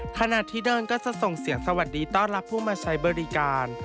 ขณะที่เดินก็จะส่งเสียงสวัสดีต้อนรับผู้มาใช้บริการ